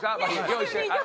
用意して。